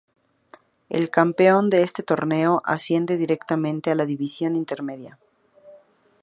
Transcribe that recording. El campeón de este torneo asciende directamente a la División Intermedia.